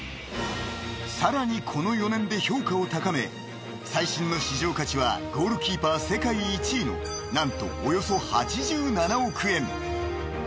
［さらにこの４年で評価を高め最新の市場価値はゴールキーパー世界１位の何とおよそ８７億円］